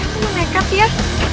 kamu mengangkat dia